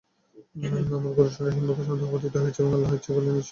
আমরা গরুটি সম্পর্কে সন্দেহে পতিত হয়েছি এবং আল্লাহ ইচ্ছে করলে নিশ্চয়ই আমরা দিশা পাব।